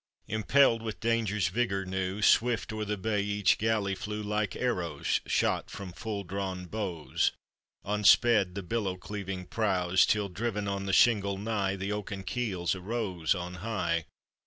Impelled with danger's vigor new, Swift o'er the bay each galley flew ; Like arrows shot from full drawn bows, On sped the billow cleaving prows, Till driven on the shingle nigh, The oaken keels arose on high.